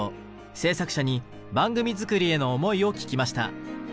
制作者に番組作りへの思いを聞きました。